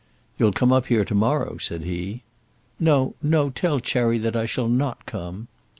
"You'll come up here to morrow," said he. "No, no; tell Cherry that I shall not come."